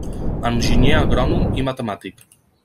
Enginyer agrònom i matemàtic.